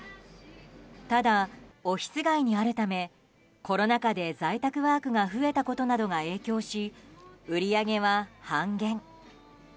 ただ、オフィス街にあるためコロナ禍で在宅ワークが増えたことなどが影響し売り上げは半減。